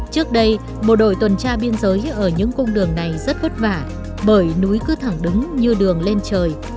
trước đây bộ đội tuần tra biên giới ở những cung đường này rất vất vả bởi núi cứ thẳng đứng như đường lên trời